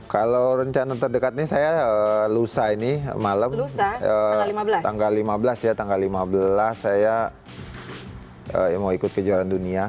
kalau rencana terdekat ini saya lusa ini malam tanggal lima belas ya tanggal lima belas saya mau ikut kejuaraan dunia